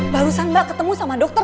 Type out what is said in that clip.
barusan mbak ketemucekan dokter